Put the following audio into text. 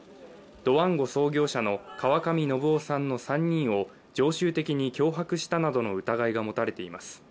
ドワンゴ創業者の川上量生さんの３人を常習的に脅迫したなどの疑いが持たれています。